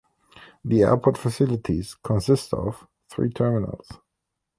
The airport facilities consist of three terminals.